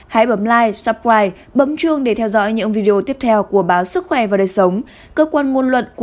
hãy bấm like subscribe bấm chuông để theo dõi những video tiếp theo của báo sức khỏe và đời sống